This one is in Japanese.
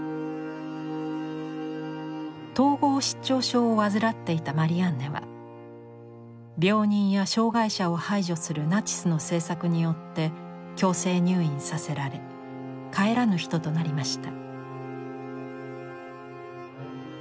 統合失調症を患っていたマリアンネは病人や障がい者を排除するナチスの政策によって強制入院させられ帰らぬ人となりました。